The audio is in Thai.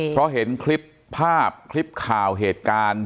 เพราะเห็นคลิปภาพคลิปข่าวเหตุการณ์